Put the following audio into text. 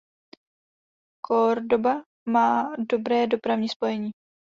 Córdoba má dobré dopravní spojení.